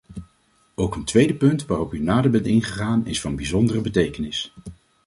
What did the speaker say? Ook een tweede punt waarop u nader bent ingegaan, is van bijzondere betekenis.